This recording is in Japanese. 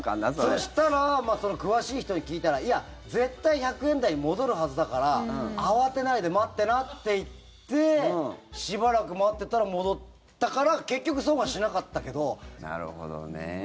そしたら詳しい人に聞いたらいや、絶対１００円台に戻るはずだから慌てないで待ってなって言ってしばらく待ってたら戻ったからなるほどね。